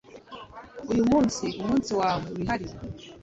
kuri uyu, umunsi wawe wihariye